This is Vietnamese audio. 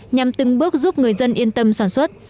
nhằm từng bước giúp người dân yên tâm sản xuất